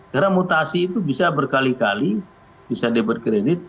karena mutasi itu bisa berkali kali bisa diberkredit